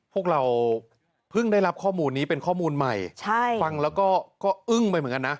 พวกเราเพิ่งได้รับข้อมูลนี้เป็นข้อมูลใหม่ใช่ฟังแล้วก็อึ้งไปเหมือนกันนะ